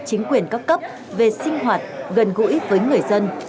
chính quyền các cấp về sinh hoạt gần gũi với người dân